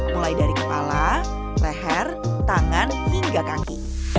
mulai dari kepala leher tangan hingga kaki